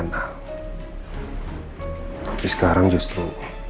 tapi sekarang justru